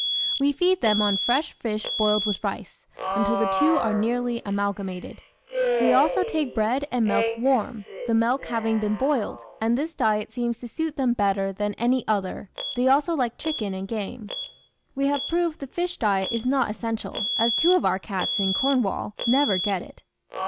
"We feed them on fresh fish boiled with rice, until the two are nearly amalgamated; they also take bread and milk warm, the milk having been boiled, and this diet seems to suit them better than any other. They also like chicken and game. We have proved the fish diet is not essential, as two of our cats (in Cornwall) never get it.